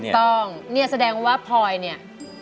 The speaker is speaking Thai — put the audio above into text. เพราะว่าพลอยเนี่ย